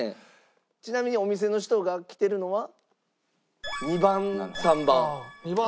ちなみにお店の人が来てるのは２番３番。